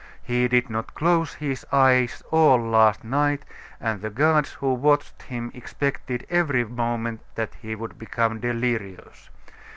He did not close his eyes all last night, and the guards who watched him expected every moment that he would become delirious.